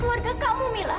kamu adalah keluarga kamu